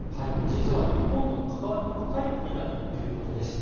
実は日本とも関わりの深い国だということです。